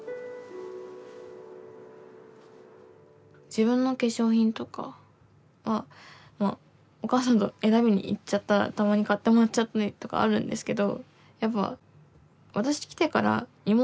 自分の化粧品とかはお母さんと選びに行っちゃったらたまに買ってもらっちゃったりとかあるんですけど。